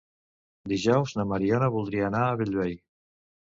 Dijous na Mariona voldria anar a Bellvei.